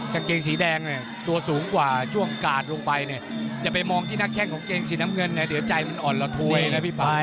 กางเกงสีแดงเนี่ยตัวสูงกว่าช่วงกาดลงไปเนี่ยจะไปมองที่นักแข้งของเกงสีน้ำเงินเนี่ยเดี๋ยวใจมันอ่อนระทวยนะพี่ป่า